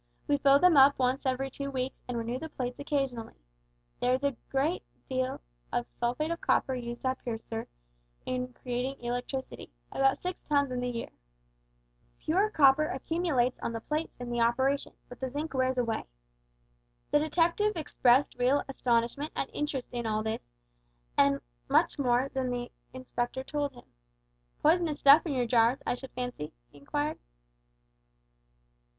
We fill them up once every two weeks, and renew the plates occasionally. There is a deal of sulphate of copper used up here, sir, in creating electricity about six tons in the year. Pure copper accumulates on the plates in the operation, but the zinc wears away." The detective expressed real astonishment and interest in all this, and much more that the Inspector told him. "Poisonous stuff in your jars, I should fancy?" he inquired.